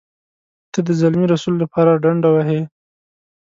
ته د زلمي رسول لپاره ډنډه وهې.